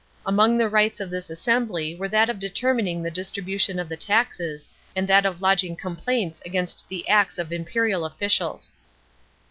Among the rights of this assembly were that of determining the distribution of the taxes, and that of lodging complaints against the acts of imperial officials.!